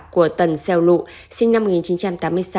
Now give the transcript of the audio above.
của tần xeo lụ sinh năm một nghìn chín trăm tám mươi sáu